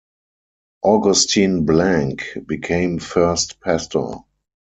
Augustin Blanc became first pastor.